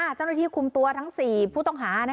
เจ้าหน้าที่คุมตัวทั้ง๔ผู้ต้องหา